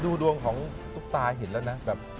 ดูดวงของตุ๊กตาเห็นแล้วนะแบบ